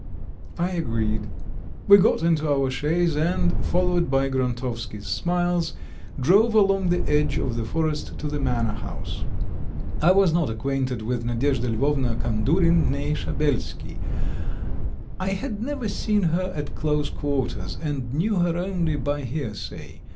I agreed. We got into our chaise and, followed by Grontovsky's smiles, drove along the edge of the forest to the manor house. I was not acquainted with Nadyezhda Lvovna Kandurin, née Shabelsky. I had never seen her at close quarters, and knew her only by hearsay.